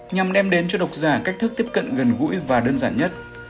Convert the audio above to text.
nhằm đem đến cho độc giả cách thức tiếp cận gần gũi và đơn giản nhất